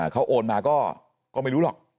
เขาโอนมาก็ไม่รู้หรอก